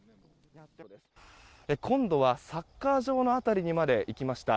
今度はサッカー場の辺りにまで行きました。